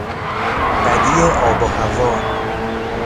بدی آب و هوا